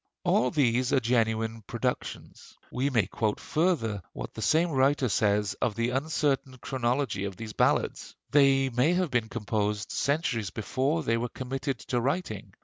All these are genuine productions." We may quote further what the same writer says of the uncertain chronology of these ballads: "They may have been composed centuries before they were committed to writing.